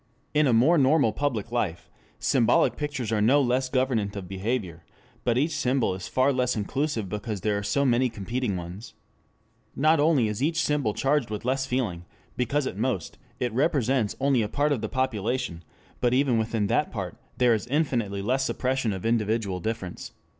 In a more normal public life, symbolic pictures are no less governant of behavior, but each symbol is far less inclusive because there are so many competing ones. Not only is each symbol charged with less feeling because at most it represents only a part of the population, but even within that part there is infinitely less suppression of individual difference.